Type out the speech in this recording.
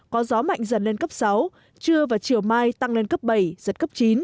có gió mạnh dần lên cấp sáu trưa và chiều mai tăng lên cấp bảy giật cấp chín